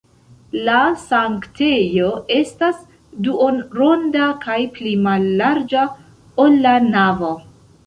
La sanktejo estas duonronda kaj pli mallarĝa, ol la navo.